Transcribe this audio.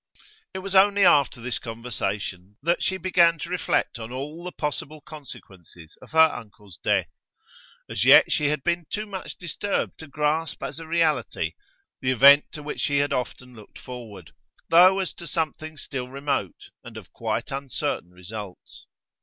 It was only after this conversation that she began to reflect on all the possible consequences of her uncle's death. As yet she had been too much disturbed to grasp as a reality the event to which she had often looked forward, though as to something still remote, and of quite uncertain results.